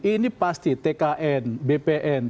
ini pasti tkn bpn